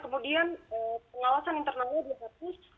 kemudian pengawasan internalnya dihapus